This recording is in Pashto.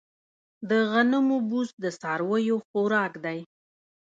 د غنمو بوس د څارویو خوراک دی.